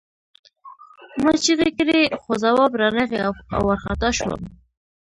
ما چیغې کړې خو ځواب را نغی او وارخطا شوم